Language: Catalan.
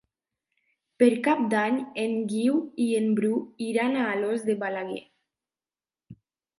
Per Cap d'Any en Guiu i en Bru iran a Alòs de Balaguer.